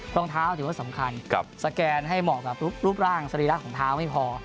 รองเท้าถือว่าสำคัญสแกนให้เหมาะกับรูปร่างสรีระของเท้าไม่พอ